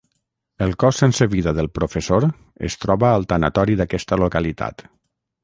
El cos sense vida del professor es troba al tanatori d’aquesta localitat.